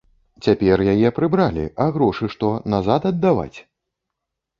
Цяпер яе прыбралі, а грошы што, назад аддаваць?